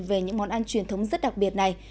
về những món ăn truyền thống rất đặc biệt này